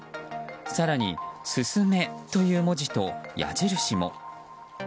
更に「すすめ！」という文字と矢印も。